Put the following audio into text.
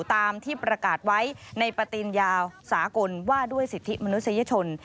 ตามที่ประกาศไว้ในปฏิญญาวสากลว่าด้วยสิทธิมนุษยชน